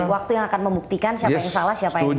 waktu yang akan membuktikan siapa yang salah siapa yang salah